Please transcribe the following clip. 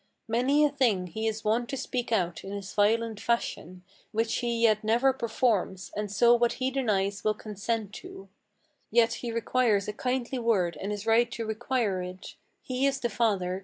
Many a thing he is wont to speak out in his violent fashion Which he yet never performs; and so what he denies will consent to. Yet he requires a kindly word, and is right to require it: He is the father!